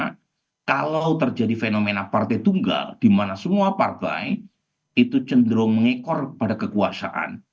karena kalau terjadi fenomena partai tunggal di mana semua partai itu cenderung mengekor kepada kekuasaan